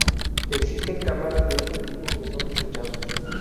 Existen cámaras de este tipo que son desechables.